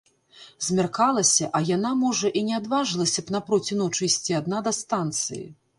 Змяркалася, а яна, можа, і не адважылася б напроці ночы ісці адна да станцыі.